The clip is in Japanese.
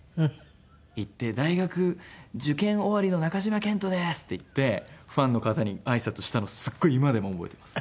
「大学受験終わりの中島健人です！」って言ってファンの方にあいさつしたのすごい今でも覚えてます。